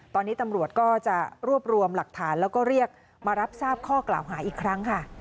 ตอนนี้ตำรวจก็จะรวบรวมหลักฐานแล้วก็เรียกมารับทราบข้อกล่าวหาอีกครั้งค่ะ